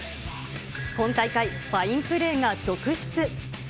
今大会、ファインプレーが続出。